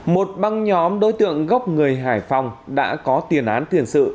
một băng nhóm đối tượng gốc người hải phòng đã có tiền án tiền sự